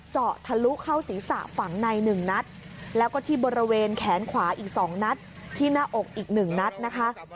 เจาะทะลุเข้าศีรษะฝั่งในหนึ่งนัดแล้วก็ที่บริเวณแขนขวาอีก๒นัดที่หน้าอกอีก๑นัดนะคะ